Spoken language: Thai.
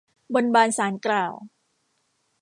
บนบานศาลกล่าว